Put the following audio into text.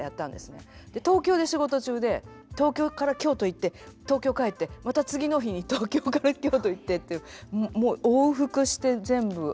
東京で仕事中で東京から京都行って東京帰ってまた次の日に東京から京都行ってっていうもう往復して全部拝見しました。